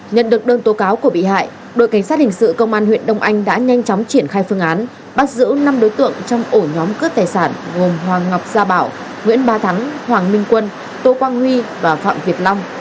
nhận được đơn tố cáo của bị hại đội cảnh sát hình sự công an huyện đông anh đã nhanh chóng triển khai phương án bắt giữ năm đối tượng trong ổ nhóm cướp tài sản gồm hoàng ngọc gia bảo nguyễn ba thắng hoàng minh quân tô quang huy và phạm việt long